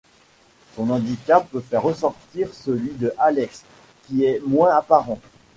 Son handicap fait ressortir celui de Alex, qui est moins apparent.